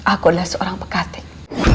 aku adalah seorang pekatik